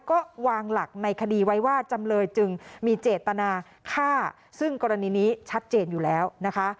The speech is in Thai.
ก็วางหลักในคดีไว้ว่าจำเลยจึงมีเจตนาฆ่าซึ่งกรณีนี้ชัดเจนอยู่แล้วนะคะ